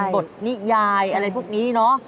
บทนิยายอะไรพวกนี้เนอะ